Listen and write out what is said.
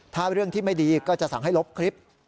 ถ้าเรื่องที่ไม่ดีก็จะสั่งให้ลบคลิป